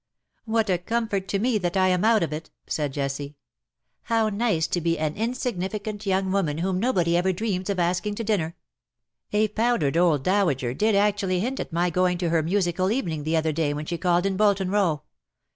" What a comfort for me that I am out of it,^^ 190 IN SOCIETY. said Jessie. ^' How nice to be an insignificant young woman whom nobody ever dreams of asking to dinner. A powdered old dowager did actually hint at my going to her musical evening the other day when she called in Bolton Row.